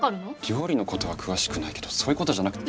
料理のことは詳しくないけどそういうことじゃなくて。